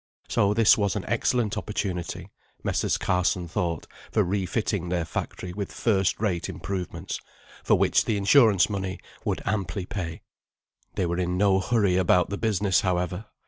So this was an excellent opportunity, Messrs. Carson thought, for refitting their factory with first rate improvements, for which the insurance money would amply pay. They were in no hurry about the business, however.